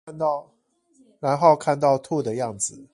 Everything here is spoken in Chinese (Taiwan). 然後看到吐的樣子